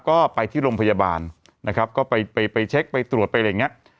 ก็ไปที่โรงพยาบาลนะครับก็ไปไปเช็คไปตรวจไปอะไรอย่างเงี้ย